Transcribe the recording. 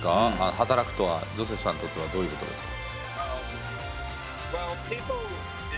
働くとはジョセフさんにとってはどういうことですか？